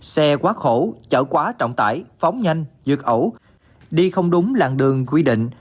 xe quá khổ chở quá trọng tải phóng nhanh dược ẩu đi không đúng làng đường quy định